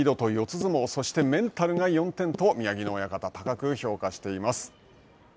相撲そしてメンタルが４点と宮城野親方、高く評価しています。